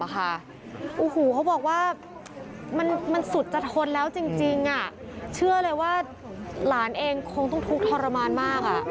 โอ้โหเขาบอกว่ามันสุดจะทนแล้วจริงเชื่อเลยว่าหลานเองคงต้องทุกข์ทรมานมาก